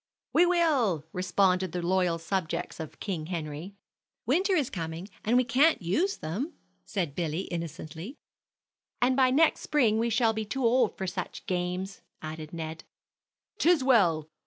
"We will!" responded the loyal subjects of King Henry. "Winter is coming, and we can't use them," said Billy, innocently. "And by next spring we shall be too old for such games," added Ned. "'Tis well!